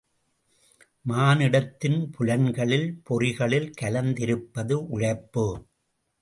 மானுடத்தின் புலன்களில், பொறிகளில் கலந்திருப்பது உழைப்பு.